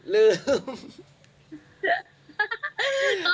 ลืม